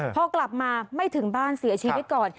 พอกลับมาไม่ถึงบ้านเสียชีวิตก่อน